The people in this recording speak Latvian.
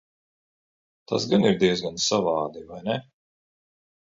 Tas gan ir diezgan savādi, vai ne?